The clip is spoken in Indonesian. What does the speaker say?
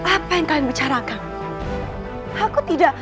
apa yang kalian bicarakan aku tidak